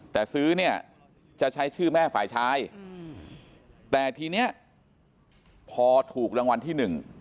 แต่ซื้อเนี่ยจะใช้ชื่อแม่ฝ่ายชายอืมแต่ทีเนี้ยพอถูกรางวัลที่หนึ่ง